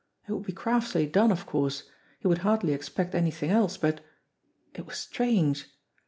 It would be craftily done, of course; he would hardly expect anything else, but It was strange